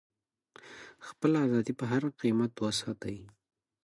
خپله ازادي په هر قیمت وساتئ.